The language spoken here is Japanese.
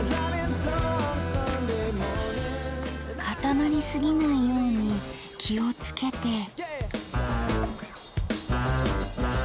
かたまりすぎないように気をつけて。